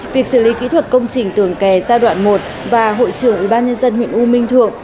việc xử lý kỹ thuật công trình tường kè giai đoạn một và hội trưởng ủy ban nhân dân huyện u minh thượng